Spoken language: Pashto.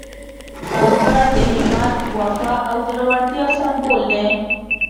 کاکړ د همت، وفا او زړورتیا سمبول دي.